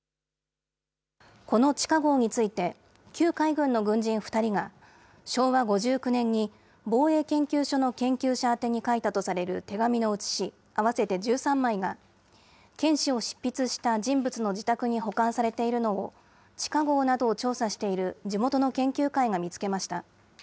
この地下ごうについて、旧海軍の軍人２人が、昭和５９年に防衛研究所の研究者宛てに書いたとされる手紙の写し合わせて１３枚が、県史を執筆した人物の自宅に保管されているのを、地下ごうなどを調査している地元の研究会が見つけました。